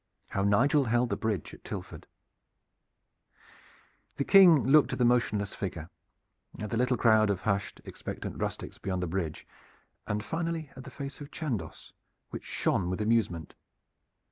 IX. HOW NIGEL HELD THE BRIDGE AT TILFORD The King looked at the motionless figure, at the little crowd of hushed expectant rustics beyond the bridge, and finally at the face of Chandos, which shone with amusement.